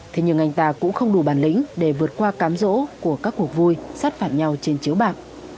thế nhưng anh ta cũng không đủ bản lĩnh để vượt qua cám rỗ của các cuộc vui sát phạt nhau trên chiếu bạc